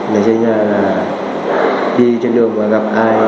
để cho nhau là đi trên đường và gặp ai